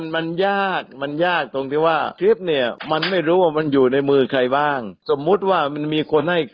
ไม่ให้น้ำหนักว่าทนายไป